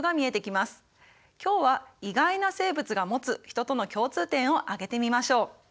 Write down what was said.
今日は意外な生物が持つヒトとの共通点を挙げてみましょう。